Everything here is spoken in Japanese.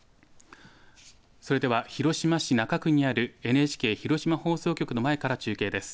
それでは広島市中区にあるＮＨＫ広島放送局の前から中継です。